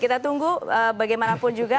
kita tunggu bagaimanapun juga